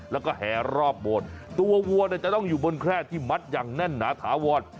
แล้วก็แห่รอบโบสถ์ตัววัวเนี่ยจะต้องอยู่บนแคร่ที่มัดอย่างแน่นหนาถาวร